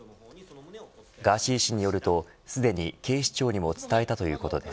ガーシー氏によると、すでに警視庁にも伝えたということです。